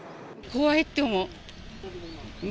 怖いって思う。